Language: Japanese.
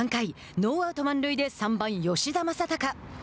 ノーアウト、満塁で３番吉田正尚。